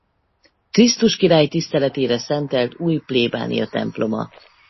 Krisztus Király tiszteletére szentelt új plébániatemploma.